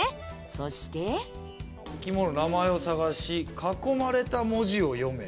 そして「生き物の名前を探し囲まれた文字を読め」。